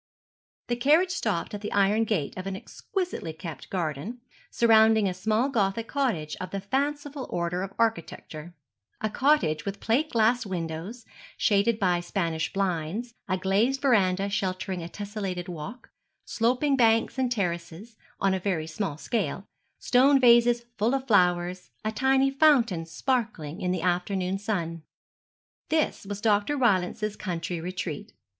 The carriage stopped at the iron gate of an exquisitely kept garden, surrounding a small Gothic cottage of the fanciful order of architecture, a cottage with plate glass windows, shaded by Spanish blinds, a glazed verandah sheltering a tesselated walk, sloping banks and terraces, on a very small scale, stone vases full of flowers, a tiny fountain sparkling in the afternoon sun. This was Dr. Rylance's country retreat.